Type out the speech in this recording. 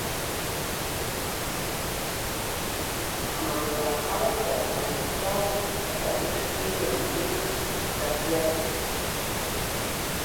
امان الله خان د افغانستان په تاریخ کې یو مهم شخصیت دی.